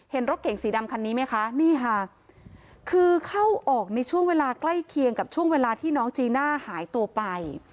รถเก่งสีดำคันนี้ไหมคะนี่ค่ะคือเข้าออกในช่วงเวลาใกล้เคียงกับช่วงเวลาที่น้องจีน่าหายตัวไป